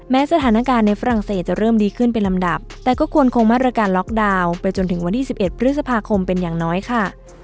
สถานการณ์ในฝรั่งเศสจะเริ่มดีขึ้นเป็นลำดับแต่ก็ควรคงมาตรการล็อกดาวน์ไปจนถึงวันที่๑๑พฤษภาคมเป็นอย่างน้อยค่ะ